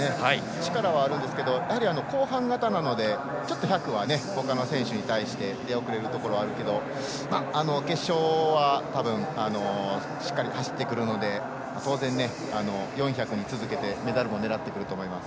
力はあるんですが、後半型なのでちょっと１００はほかの選手に対して出遅れるところがあるけど決勝は多分しっかり走ってくるので当然、４００に続けてメダルも狙ってくると思います。